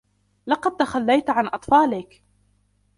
لقد تخلّيت عن أطفالك.